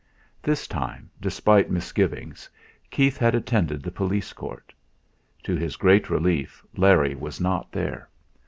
This time, despite misgivings, Keith had attended the police court. To his great relief Larry was not there.